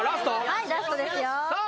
はいラストですよさあ